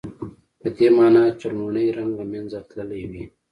پدې معنی چې لومړنی رنګ له منځه تللی وي.